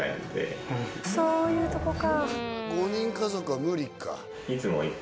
そういうとこか。